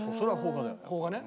邦画ね。